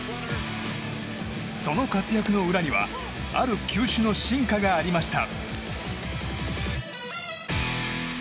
その活躍の裏にはある球種の進化がありました。